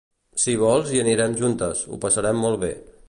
si vols, hi anem juntes, ho passarem molt be.